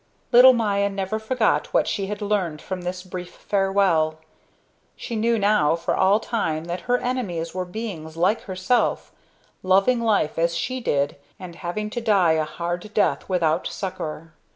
Little Maya never forgot what she had learned from this brief farewell. She knew now for all time that her enemies were beings like herself, loving life as she did and having to die a hard death without succor.